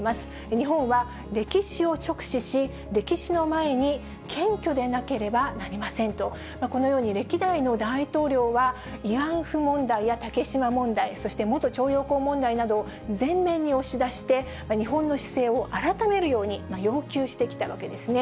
日本は歴史を直視し、歴史の前に謙虚でなければなりませんと、このように歴代の大統領は、慰安婦問題や竹島問題、そして元徴用工問題などを前面に押し出して、日本の姿勢を改めるように要求してきたわけですね。